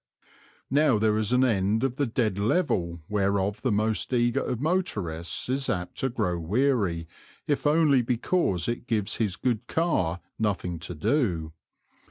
Now there is an end of the dead level whereof the most eager of motorists is apt to grow weary, if only because it gives his good car nothing to do.